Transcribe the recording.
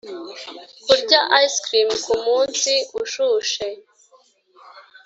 kurya ice cream kumunsi ushushe.